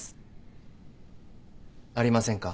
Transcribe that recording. ありませんか？